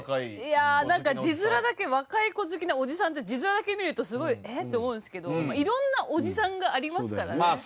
いやなんか字面だけ「若い娘好きのおじさん」って字面だけ見るとすごい「えっ」って思うんですけど色んなおじさんがありますからね。